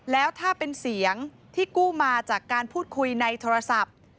แล้วถ้าเป็นเสียงที่กู้มาจากการพูดคุยในโทรศัพท์